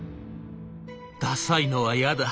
「ダサいのは嫌だ！